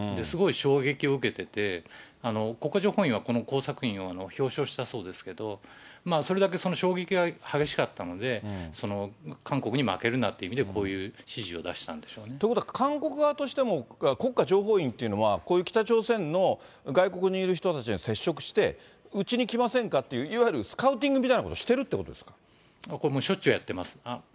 すごい衝撃を受けてて、国家情報院はこの工作員を表彰したそうですけど、それだけその衝撃が激しかったので、韓国に負けるなっていう意味で、こういう指示を出したんでしょうね。ということは、韓国側としても、国家情報院っていうのは、こういう北朝鮮の外国にいる人たちに接触して、うちに来ませんかっていう、いわゆるスカウティングみたいなこれもうしょっちゅうやってます。